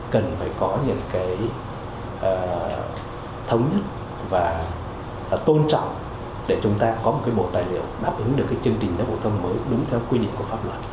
cần phải có những cái thống nhất và tôn trọng để chúng ta có một cái bộ tài liệu đáp ứng được cái chương trình giáo dục phổ thông mới đúng theo quy định của pháp luật